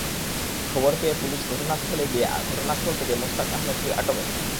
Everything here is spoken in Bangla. খবর পেয়ে পুলিশ ঘটনাস্থলে গিয়ে ঘটনাস্থল থেকে মোস্তাক আহমেদকে আটক করে।